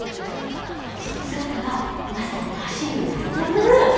その姿はまさに走るライトブルー。